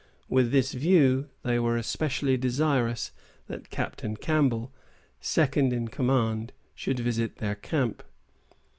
With this view, they were especially desirous that Captain Campbell, second in command, should visit their camp.